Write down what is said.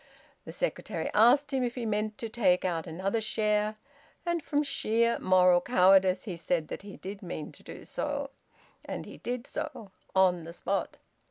The secretary asked him if he meant to take out another share, and from sheer moral cowardice he said that he did mean to do so; and he did so, on the spot.